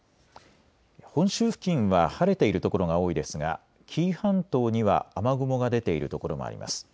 本州付近は晴れている所が多いですが紀伊半島には雨雲が出ている所もあります。